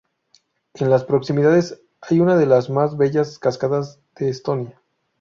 En las proximidades hay una de las más bellas cascada de Estonia.